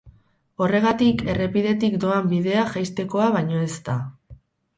Horregatik, errepidetik doan bidea jaistekoa baino ez da.